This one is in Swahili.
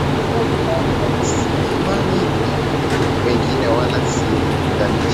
Sitamani ya wengine wala sijilinganishi.